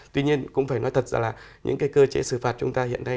tuy nhiên cũng phải nói thật là những cơ chế xử phạt chúng ta hiện nay